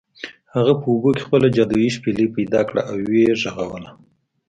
هغه په اوبو کې خپله جادويي شپیلۍ پیدا کړه او و یې غږوله.